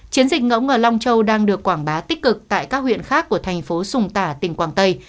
chiến dịch ngẫu ở long châu đang được quảng bá tích cực tại các huyện khác của thành phố sùng tả tỉnh quảng tây